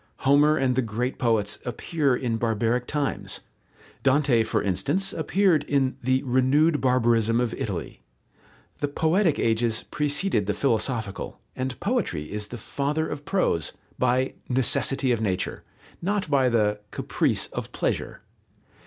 Homer and the great poets appear in barbaric times. Dante, for instance, appeared in "the renewed barbarism of Italy." The poetic ages preceded the philosophical, and poetry is the father of prose, by "necessity of nature," not by the "caprice of pleasure."